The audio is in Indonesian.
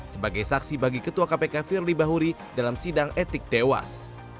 sebagai saksi bagi ketua kpk firly bahuri dalam sidang etik dewas